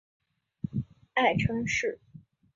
爱称是。